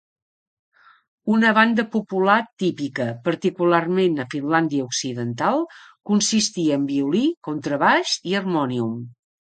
Una banda popular típica, particularment a Finlàndia occidental, consistia en violí, contrabaix i harmònium.